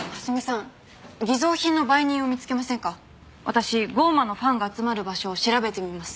私『降魔』のファンが集まる場所を調べてみます。